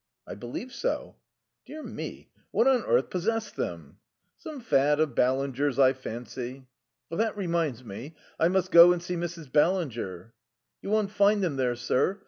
"I believe so." "Dear me, what on earth possessed them?" "Some fad of Ballinger's, I fancy." "That reminds me, I must go and see Mrs. Ballinger." "You won't find them there, sir.